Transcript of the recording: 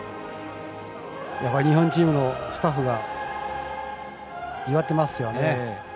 日本チームのスタッフが祝っていますよね。